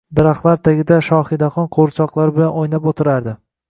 Daraxt tagida Shohidaxon qo`g`irchoqlari bilan o`nab o`tirardi